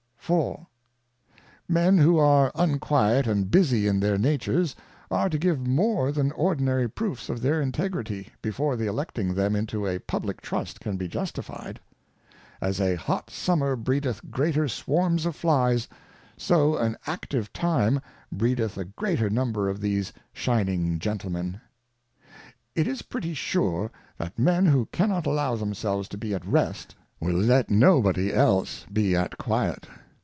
IV. Men who are unquiet and busy in their Natures, are to give more than ordinary proofs of their Integrity, before the Electing them into a^ Publick Trust can be Justifijid. As a hot Summer breedeth greater swarms of Flies, so an active time breedeth a greater number of these shining Gentlemen. It is pretty sure. That men who cannot allow themselves to be at rest, will let no body else be at quiet.